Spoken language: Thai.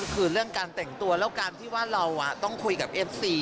คือเรื่องการแต่งตัวแล้วการที่ว่าเราต้องคุยกับเอฟซี